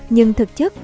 nhưng thực chất